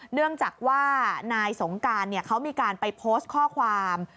เนื่องจากว่านายสงการเขามีการไปโพสต์ข้อความ